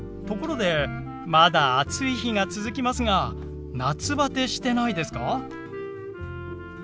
ところでまだ暑い日が続きますが夏バテしてないですか？